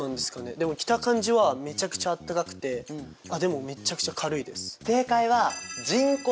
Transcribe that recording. でも着た感じはめちゃくちゃ暖かくてあでもめちゃくちゃ軽いです。